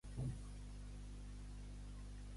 On està Carme Forcadell?